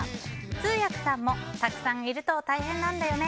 通訳さんもたくさんいると大変なんだよね